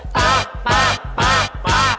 ป๊าป๊าป๊าป๊า